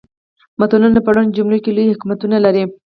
متلونه په لنډو جملو کې لوی حکمتونه لري